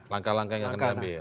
langkah langkah yang akan diambil